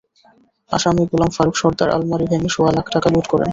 আসামি গোলাম ফারুক সরদার আলমারি ভেঙে সোয়া লাখ টাকা লুট করেন।